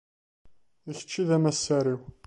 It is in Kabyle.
D kečč i d amassar-iw.